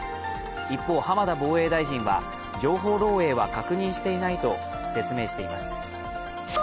一方、浜田防衛大臣は情報漏えいは確認していないと説明しています。